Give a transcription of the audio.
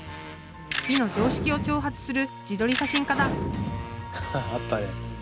美の常識を挑発する自撮り写真家だあったね。